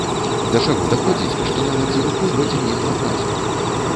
Да чаго даходзіць, што нават за руку водзім іх на працу.